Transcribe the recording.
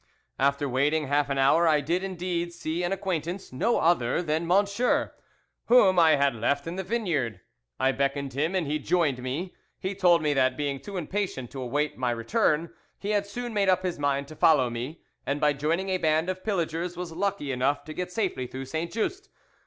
After waiting half an hour, I did indeed see an acquaintance—no other than M______, whom I had left in the vineyard. I beckoned him, and he joined me. He told me that, being too impatient to await my return, he had soon made up his mind to follow me, and by joining a band of pillagers was lucky enough to get safely through Saint Just.